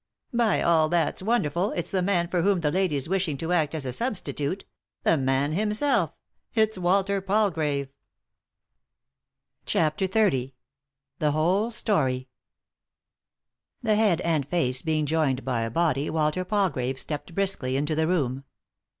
"By all that's wonderful— it's the man for whom the lady's wishing to act as a substitute ; the man himself— it's Walter Falgrave 1 " Dy Google CHAPTER XXX THE WHOLE STORY The head and face being joined by a body, Walter Palgrave stepped briskly into the room.